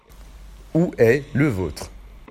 Où est le vôtre.